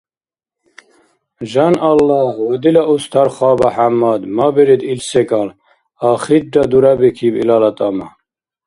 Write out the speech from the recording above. – Жан Аллагь, ва дила Устарха БяхӀяммад, мабирид ил секӀал, – ахирра дурабикиб илала тӀама.